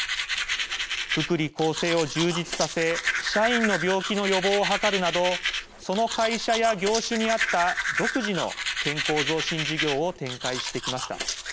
福利厚生を充実させ社員の病気の予防を図るなどその会社や業種にあった独自の健康増進事業を展開してきました。